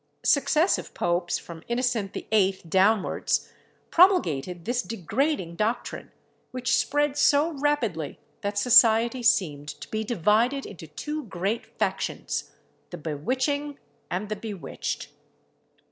Successive popes, from Innocent VIII. downwards, promulgated this degrading doctrine, which spread so rapidly, that society seemed to be divided into two great factions, the bewitching and the bewitched.